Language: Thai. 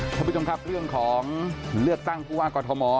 ท่านผู้ชมครับเรื่องของเลือกตั้งผู้ว่ากอทม